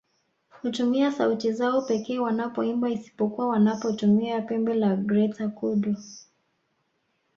Hutumia sauti zao pekee wanapoimba isipokuwa wanapotumia pembe la Greater Kudu